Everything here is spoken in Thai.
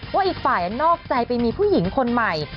อีกฝ่ายนอกใจไปมีผู้หญิงคนใหม่